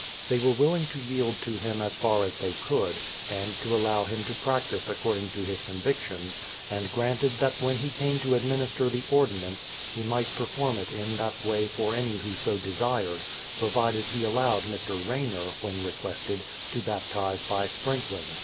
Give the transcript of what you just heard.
They were willing to yield to him as far as they could, and to allow him to practice according to his convictions, and granted that when he came to administer the ordinance, he might perform it in that way for any who so desired, provided he allowed Mr. Rayner, when requested, to baptize by sprinkling.